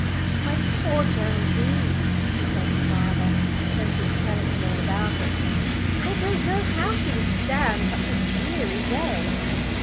"My poor Geraldine," she said to father, when she was telling him all about it, "I don't know how she will stand such a dreary day."